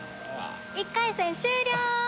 １回戦終了！